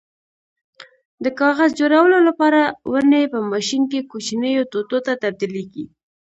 د کاغذ جوړولو لپاره ونې په ماشین کې کوچنیو ټوټو ته تبدیلېږي.